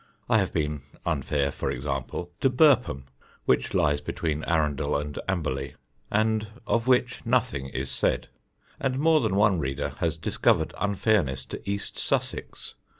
I have been unfair, for example, to Burpham, which lies between Arundel and Amberley and of which nothing is said; and more than one reader has discovered unfairness to East Sussex.